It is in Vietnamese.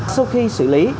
sau khi xử lý